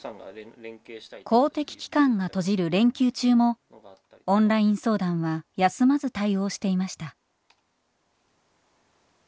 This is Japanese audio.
公的機関が閉じる連休中もオンライン相談は休まず対応していました。